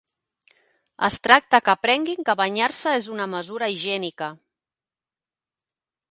Es tracta que aprenguin que banyar-se és una mesura higiènica.